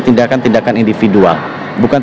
tindakan tindakan individual bukan